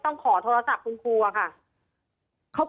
มันเป็นอาหารของพระราชา